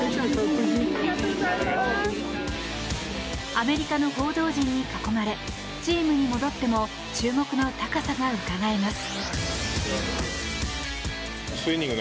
アメリカの報道陣に囲まれチームに戻っても注目の高さがうかがえます。